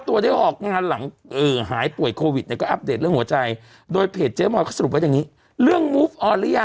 มันกับมาน้อยอีกแล้วเนี้ย